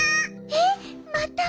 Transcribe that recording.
えっまた？